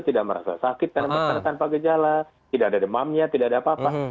tidak merasa sakit tanpa gejala tidak ada demamnya tidak ada apa apa